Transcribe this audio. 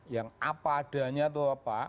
yang apa adanya atau apa